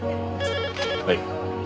はい。